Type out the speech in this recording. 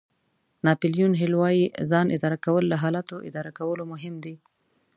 ناپیلیون هېل وایي ځان اداره کول له حالاتو اداره کولو مهم دي.